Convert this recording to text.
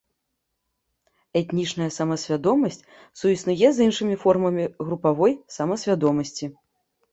Этнічная самасвядомасць суіснуе з іншымі формамі групавой самасвядомасці.